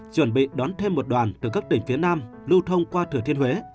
chuẩn bị đón thêm một đoàn từ các tỉnh phía nam lưu thông qua thừa thiên huế